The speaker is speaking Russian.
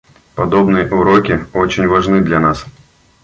Подобные уроки очень важны для нас.